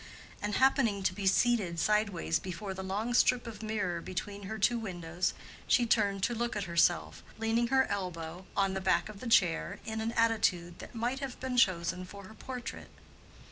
And happening to be seated sideways before the long strip of mirror between her two windows she turned to look at herself, leaning her elbow on the back of the chair in an attitude that might have been chosen for her portrait.